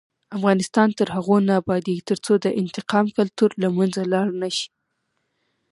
افغانستان تر هغو نه ابادیږي، ترڅو د انتقام کلتور له منځه لاړ نشي.